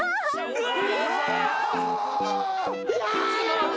うわ！